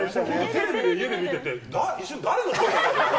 テレビで、家で見てて、一瞬、誰の声だか。